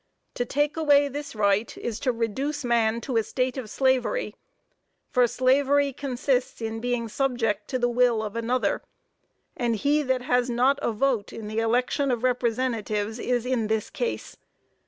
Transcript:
To take away this right is to reduce man to a state of slavery; for slavery consists in being subject to the will of another; and he that has not a vote in the election of representatives is in this case.